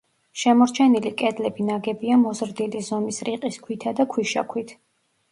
შემორჩენილი კედლები ნაგებია მოზრდილი ზომის რიყის ქვითა და ქვიშაქვით.